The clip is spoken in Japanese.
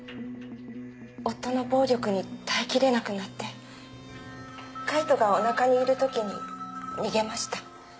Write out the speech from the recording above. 夫の暴力に耐えきれなくなって海人がおなかにいるときに逃げました。